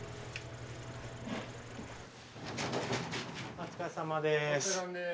お疲れさまです。